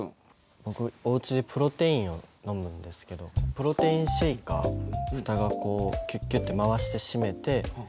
僕おうちでプロテインを飲むんですけどプロテインシェーカーふたがこうキュッキュって回して閉めて振るやつなんですけど。